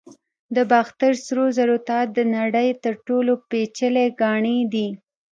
د باختر سرو زرو تاج د نړۍ تر ټولو پیچلي ګاڼې دي